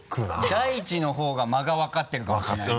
だいちの方が間が分かってるかもしれないね